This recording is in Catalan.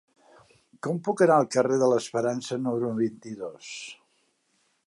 Com puc anar al carrer de l'Esperança número vint-i-dos?